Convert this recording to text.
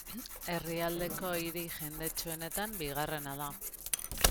Herrialdeko hiri jendetsuenetan bigarrena da.